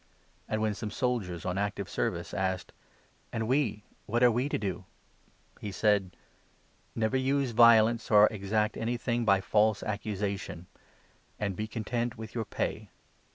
And when some soldiers' on active service 14 asked " And we— what are we to do ?", he said :" Never use violence, or exact anything by false accusation ; and be content with your pay.